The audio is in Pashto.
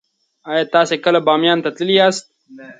ایا تاسې کله بامیانو ته تللي یاست؟